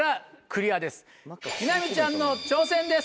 美波ちゃんの挑戦です。